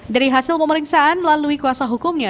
dari hasil pemeriksaan melalui kuasa hukumnya